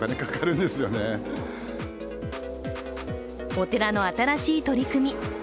お寺の新しい取り組み